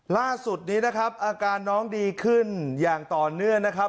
ล่าสุดนี้นะครับอาการน้องดีขึ้นอย่างต่อเนื่องนะครับ